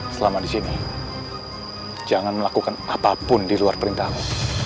selama di sini jangan melakukan apapun di luar perintahmu